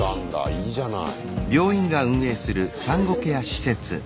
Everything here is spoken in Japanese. いいじゃない。